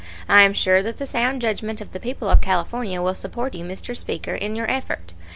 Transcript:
I am sure that the sound judgment of the people of California will support you, Mr. Speaker, in your effort.